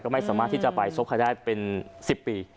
ไม่สามารถที่จะไปชกใครได้เป็น๑๐ปี